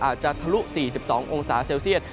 อาจจะทะลุ๔๒องศาเซลเซียต